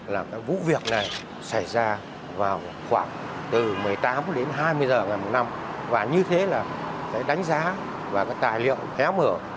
là vụ việc này xảy ra vào khoảng từ một mươi tám đến hai mươi giờ ngày một năm và như thế là đánh giá và tài liệu héo mở